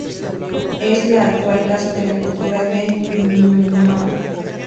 Es la actual Casa de la Cultura de Ñuñoa.